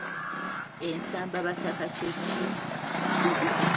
Ensambabataka kye ki?